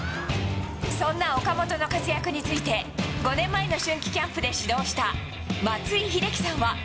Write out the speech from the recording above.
そんな岡本の活躍について、５年前の春季キャンプで指導した松井秀喜さんは。